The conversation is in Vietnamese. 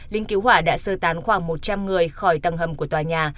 lính cứu hỏa đã sơ tán khoảng một trăm linh người khỏi tầng hầm của tòa nhà